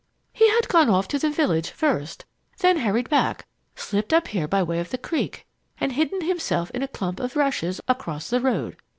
He had gone off to the village first, then hurried back, slipped up here by way of the creek, and hidden himself in a clump of rushes across the road.